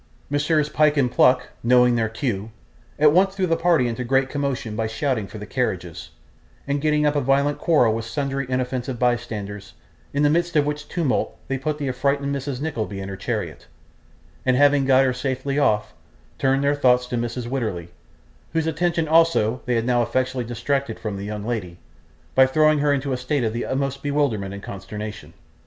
Messrs Pyke and Pluck, knowing their cue, at once threw the party into great commotion by shouting for the carriages, and getting up a violent quarrel with sundry inoffensive bystanders; in the midst of which tumult they put the affrighted Mrs. Nickleby in her chariot, and having got her safely off, turned their thoughts to Mrs. Wititterly, whose attention also they had now effectually distracted from the young lady, by throwing her into a state of the utmost bewilderment and consternation.